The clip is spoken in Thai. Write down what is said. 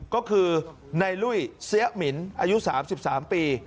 ก็คือนายลุยเสี้ยหมินอายุสามสิบสามปี